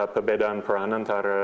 perbedaan peranan antara